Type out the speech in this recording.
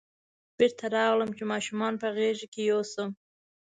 بېرته راغلم چې ماشوم په غېږ کې یوسم.